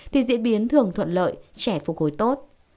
thì diễn biến thường thuận lợi trẻ phục hồi tốt